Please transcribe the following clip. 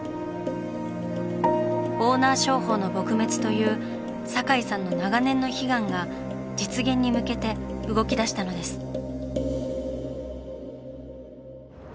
オーナー商法の撲滅という堺さんの長年の悲願が実現に向けて動きだしたのです。